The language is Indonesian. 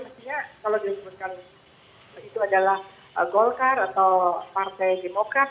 mestinya kalau disebutkan itu adalah golkar atau partai demokrat